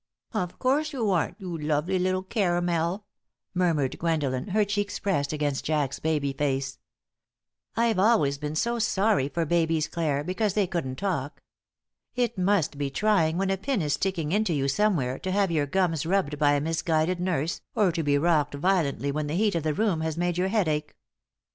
"Of course 'oo aren't, 'oo lovely 'ittle caramel," murmured Gwendolen, her cheeks pressed against Jack's baby face. "I've always been so sorry for babies, Clare, because they couldn't talk. It must be trying when a pin is sticking into you somewhere to have your gums rubbed by a misguided nurse, or to be rocked violently when the heat of the room has made your head ache."